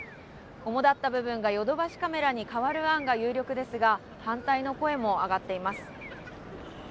主だった部分がヨドバシカメラに代わる案が有力ですが反対の声も上がっています。